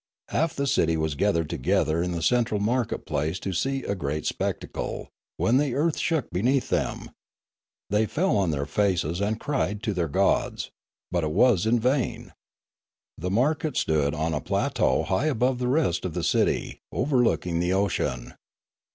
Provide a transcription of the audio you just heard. Half the city was gathered together in the central market place to see a great spectacle, when the earth shook beneath them. They fell on their faces and cried to their gods; but it was in vain. The market stood upon a plateau high above the rest of the city, Leomarie 97 overlooking the ocean.